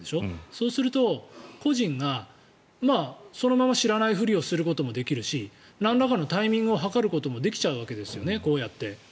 そうすると個人がそのまま知らないふりをすることもできるしなんらかのタイミングを測ることもできちゃうわけですよね。